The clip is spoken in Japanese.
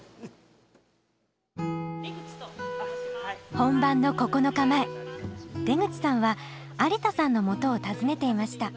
本番の９日前出口さんは有田さんのもとを訪ねていました。